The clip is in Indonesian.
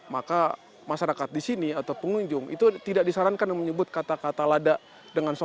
maka masyarakat di sini atau pengunjung itu tidak disarankan menyebut kata kata lada dengan soto